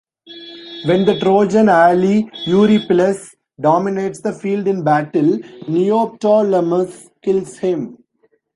When the Trojan ally Eurypylus dominates the field in battle, Neoptolemus kills him.